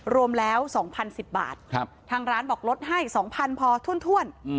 รวมแล้ว๒๐๑๐บาททางร้านบอกลดให้๒๐๐พอถ้วน